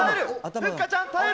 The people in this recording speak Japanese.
ふっかちゃん、耐える。